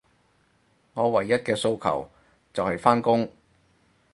我唯一嘅訴求，就係返工